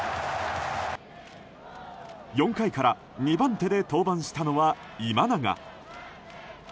４回から２番手で登板したのは今永。